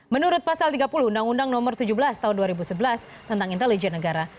menurut pasal tiga puluh undang undang nomor tujuh belas tahun dua ribu sebelas tentang intelijen negara